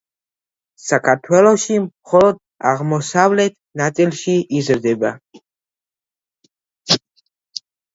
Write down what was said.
საქართველოში მხოლოდ აღმოსავლეთ ნაწილში იზრდება.